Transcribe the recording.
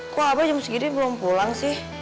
kok abang jam masih di sini belum pulang sih